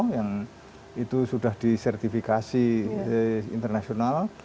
yang itu sudah disertifikasi internasional